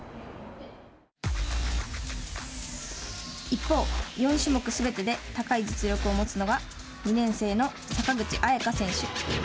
一方、４種目すべてで高い実力を持つのが２年生の坂口彩夏選手。